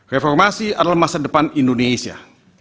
reformasi adalah masa depan indonesia